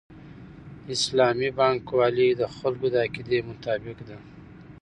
اسلامي بانکوالي د خلکو د عقیدې مطابق ده.